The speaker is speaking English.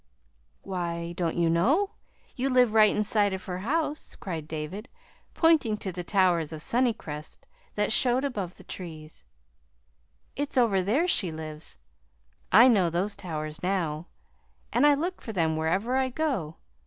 "Why, don't you know? You live right in sight of her house," cried David, pointing to the towers of Sunnycrest that showed above the trees. "It's over there she lives. I know those towers now, and I look for them wherever I go.